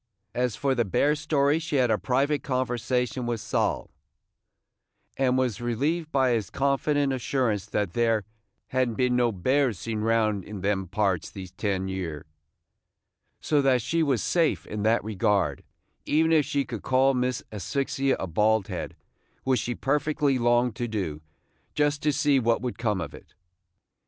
As for the bear story she had a private conversation with Sol, and was relieved by his confident assurance that there "had n't been no bears seen round in them parts these ten year"; so that she was safe in that regard, even if she should call Miss Asphyxia a bald head, which she perfectly longed to do, just to see what would come of it.